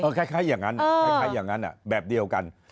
เออคล้ายอย่างนั้นแบบเดียวกัน